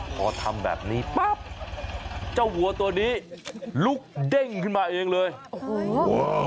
พอทำแบบนี้ปั๊บเจ้าวัวตัวนี้ลุกเด้งขึ้นมาเองเลยโอ้โห